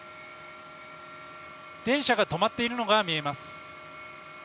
電車が止まっているのが見えます。